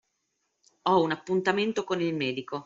Ho un appuntamento con il medico.